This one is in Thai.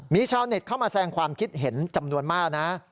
มีชาวเน็ตเข้ามาแสงความคิดเห็นจำนวนมากนะ